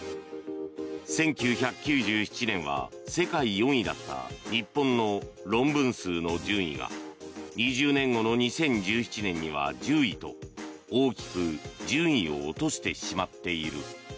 １９９７年は世界４位だった日本の論文数の順位が２０年後の２０１７年には１０位と大きく順位を落としてしまっている。